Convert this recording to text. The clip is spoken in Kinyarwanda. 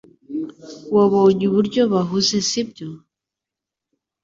Wabonye uburyo bahuze sibyo